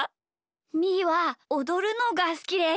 みーはおどるのがすきです。